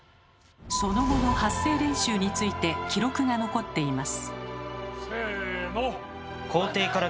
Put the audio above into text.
その後の発声練習について記録が残っています。